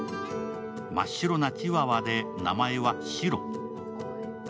真っ白なチワワで名前はシロ。